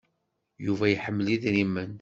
Yuba iḥemmel idrimen.